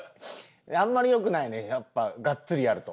あんまりよくないねやっぱがっつりやると。